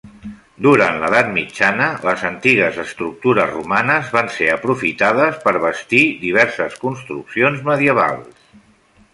Durant l'edat mitjana les antigues estructures romanes van ser aprofitades per bastir diverses construccions medievals.